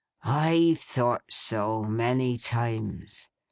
'I've thought so, many times.